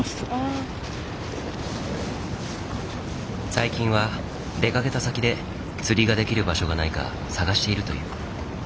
最近は出かけた先で釣りができる場所がないか探しているという。